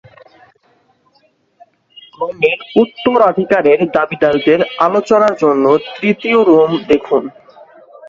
রোমের উত্তরাধিকারের দাবিদারদের আলোচনার জন্য তৃতীয় রোম দেখুন।